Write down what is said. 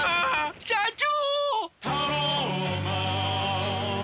社長！